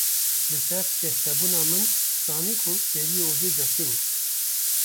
Li ser şehdebûna min zanî ko deriyê odê girtî bû.